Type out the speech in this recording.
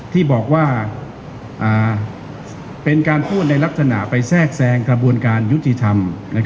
ที่บอกว่าเป็นการพูดในลักษณะไปแทรกแทรงกระบวนการยุติธรรม